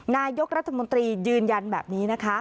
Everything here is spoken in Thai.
นายกรัฐมนตรียืนยันแบบนี้นะคะ